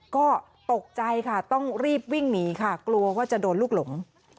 ก็ตกใจค่ะต้องรีบวิ่งหนีค่ะกลัวว่าจะโดนลูกหลง